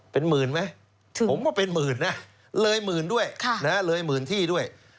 เป็นหมื่นไหมผมว่าเป็นหมื่นนะเลยหมื่นด้วยเลยหมื่นที่ด้วย